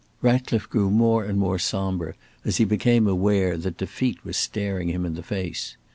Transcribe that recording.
Ratcliffe grew more and more sombre as he became aware that defeat was staring him in the face.